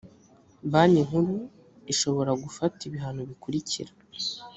banki nkuru ishobora gufata ibihano bikurikira